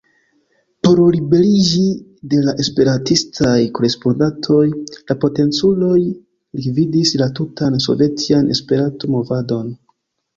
Por liberiĝi de la esperantistaj korespondantoj, la potenculoj likvidis la tutan Sovetian Esperanto-movadon.